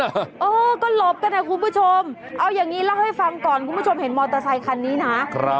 เออก็หลบกันนะคุณผู้ชมเอาอย่างนี้เล่าให้ฟังก่อนคุณผู้ชมเห็นมอเตอร์ไซคันนี้นะ